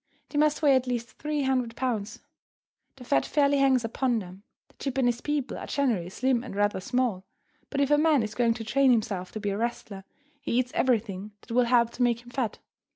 They must weigh at least three hundred pounds. The fat fairly hangs upon them. The Japanese people are generally slim and rather small, but if a man is going to train himself to be a wrestler, he eats everything that will help to make him fat.